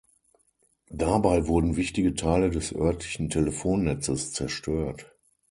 Dabei wurden wichtige Teile des örtlichen Telefonnetzes zerstört.